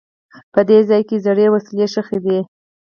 په دې ځای کې زړې وسلې ښخي دي.